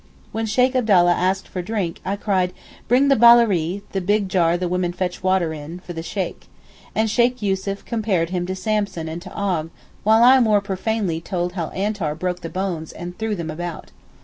When Sheykh Abdallah asked for drink, I cried 'bring the ballaree (the big jar the women fetch water in) for the Sheykh,' and Sheykh Yussuf compared him to Samson and to Og, while I more profanely told how Antar broke the bones and threw them about.